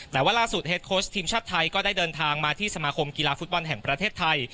แต่ว่าล่าสุดเฮดโค้ชทีมชาติไทยก็ได้เดินทางมาที่สมาคมกีฬาฟุตบอลแห่งประเทศไทย